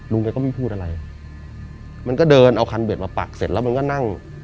แกก็ไม่พูดอะไรมันก็เดินเอาคันเด็ดมาปักเสร็จแล้วมันก็นั่ง